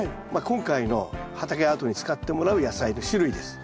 今回の畑アートに使ってもらう野菜の種類です。